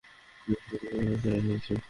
নিশ্চয় কোথাও ছেড়ে এসেছি।